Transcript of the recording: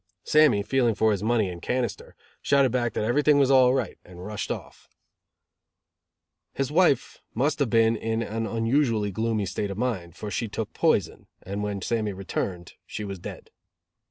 Sammy, feeling for his money and cannister, shouted back that everything was all right, and rushed off. His wife must have been in an unusually gloomy state of mind, for she took poison, and when Sammy returned, she was dead.